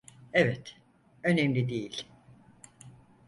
Evet, önemli değil.